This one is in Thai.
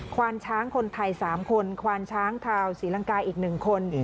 ควานช้างคนไทย๓คนควานช้างชาวศรีลังกาอีก๑คน